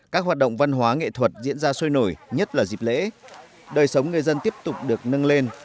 các hoạt động văn hóa nghệ thuật diễn ra sôi nổi nhất là dịp lễ đời sống người dân tiếp tục được nâng lên